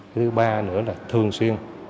thứ ba nữa là thường xuyên